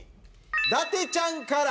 伊達ちゃんから。